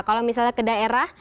kalau misalnya ke daerah